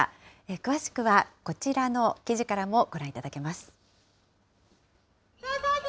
詳しくはこちらの記事からもご覧いただけます。